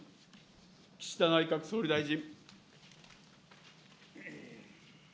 岸田内閣総理大臣。